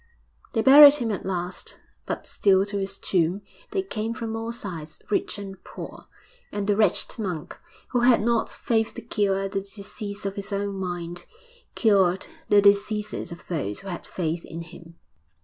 They buried him at last, but still to his tomb they came from all sides, rich and poor; and the wretched monk, who had not faith to cure the disease of his own mind, cured the diseases of those who had faith in him.